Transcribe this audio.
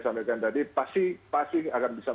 sampaikan tadi pasti ini akan bisa